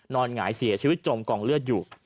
หงายเสียชีวิตจมกองเลือดอยู่